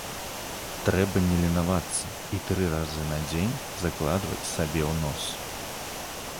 Трэба не ленавацца і тры разы на дзень закладваць сабе у нос.